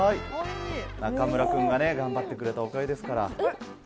なかむら君が頑張ってくれたおかげですから。